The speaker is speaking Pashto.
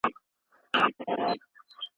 لارښود د شاګرد لومړنۍ مسوده اصلاح کوي.